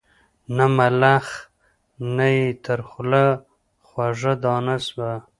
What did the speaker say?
نه ملخ نه یې تر خوله خوږه دانه سوه